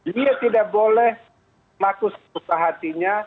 dia tidak boleh lakukan seputar hatinya